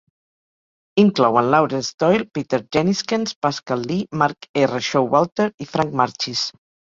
Inclouen Laurance Doyle, Peter Jenniskens, Pascal Lee, Mark R. Showalter i Franck Marchis.